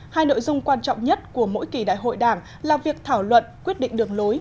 hai nội dung quan trọng nhất của mỗi kỳ đại hội đảng là việc thảo luận quyết định đường lối